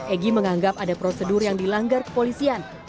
egy menganggap ada proses penetapan ini cacat hukum